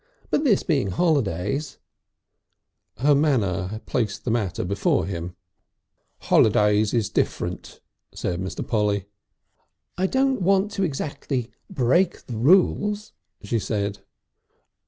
But this being holidays " Her manner placed the matter before him. "Holidays is different," said Mr. Polly. "I don't want to actually break the rules," she said.